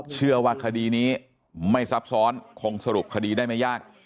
เชื่อว่าคดีนี้ไม่ซับซ้อนคงสรุปคดีได้ไม่ยาก